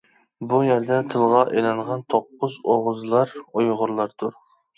بۇ يەردە تىلغا ئېلىنغان توققۇز ئوغۇزلار ئۇيغۇرلاردۇر.